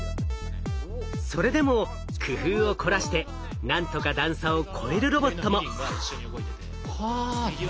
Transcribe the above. それでも工夫を凝らしてなんとか段差を越えるロボットも。